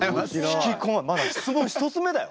引き込ままだ質問１つ目だよ？